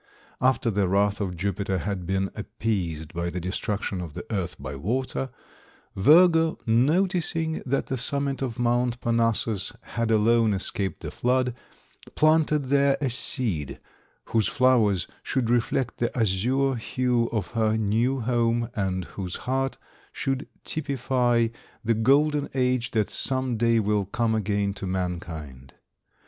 After the wrath of Jupiter had been appeased by the destruction of the earth by water, Virgo, noticing that the summit of Mount Parnassus had alone escaped the flood, planted there a seed, whose flowers should reflect the azure hue of her new home and whose heart should typify the Golden Age that some day will come again to mankind.